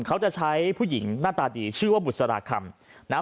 เขาจะใช้ผู้หญิงหน้าตาดีชื่อว่าบุษราคำนะฮะ